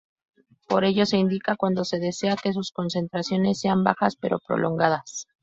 Por ello se indica cuando se desea que sus concentraciones sean bajas pero prolongadas.